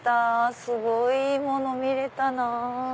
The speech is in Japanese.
すごいいいもの見れたなぁ。